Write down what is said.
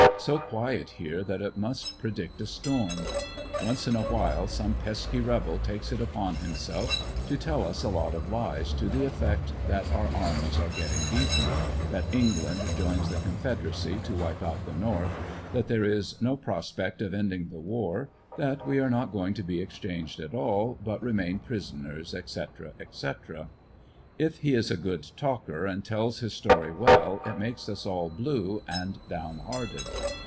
So quiet here that it must predict a storm. Once in a while some pesky rebel takes it upon himself to tell us a lot of lies to the effect that our armies are getting beaten; that England joins the Confederacy to whip out the North; that there is no prospect of ending the war; that we are not going to be exchanged at all, but remain prisoners, etc., etc. If he is a good talker and tells his story well it makes us all blue and down hearted.